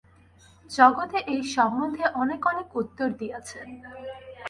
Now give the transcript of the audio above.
জগতে এই সম্বন্ধে অনেকে অনেক উত্তর দিয়াছেন।